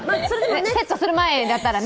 セットする前だったらね。